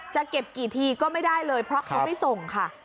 จะเก็บกี่ทีก็ไม่ได้เลยเพราะเขาไม่ส่งค่ะ